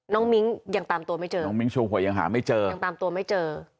มิ้งยังตามตัวไม่เจอน้องมิ้งชูหวยยังหาไม่เจอยังตามตัวไม่เจอ